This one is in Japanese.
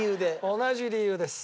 同じ理由です。